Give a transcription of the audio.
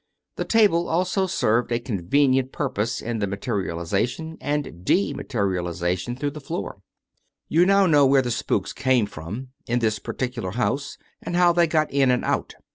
The table also served a convenient purpose in the mate rialization and dematerialization through the floor. You now know where the spooks came from, in this particular house, and how they got in and out.